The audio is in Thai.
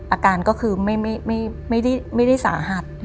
อาการก็คือไม่ได้สาหัส